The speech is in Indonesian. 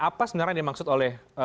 apa sebenarnya dimaksud oleh